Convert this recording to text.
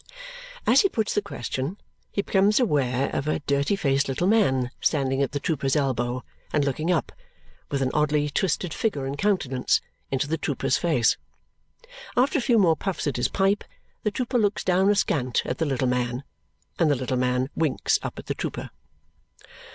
As he puts the question, he becomes aware of a dirty faced little man standing at the trooper's elbow and looking up, with an oddly twisted figure and countenance, into the trooper's face. After a few more puffs at his pipe, the trooper looks down askant at the little man, and the little man winks up at the trooper.